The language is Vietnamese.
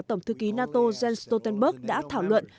tổng thư ký nato jens stoltenberg đã thảo luận